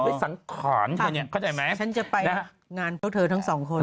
ด้วยสังขรรค์เขาเนี้ยเข้าใจไหมฉันจะไปนะฮะงานเพราะเธอทั้งสองคน